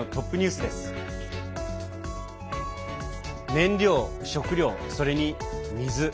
燃料、食料、それに水。